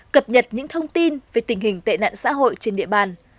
cập nhật những thông tin về tình hình tệ nạn xã hội trên địa bàn